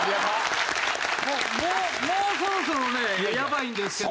もうもうそろそろねやばいんですけどね。